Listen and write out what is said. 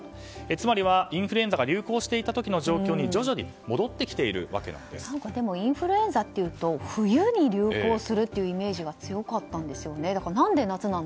つまり、インフルエンザが流行していた時の状況にインフルエンザっていうと冬に流行するというイメージが強かったんですよね。